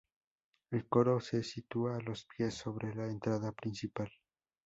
El coro se sitúa a los pies, sobre la entrada principal.